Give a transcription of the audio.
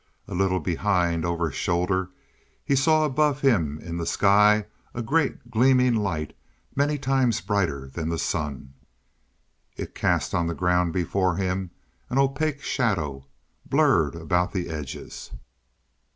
A little behind, over his shoulder he saw above him in the sky a great, gleaming light many times bigger than the sun. It cast on the ground before him an opaque shadow, blurred about the edges.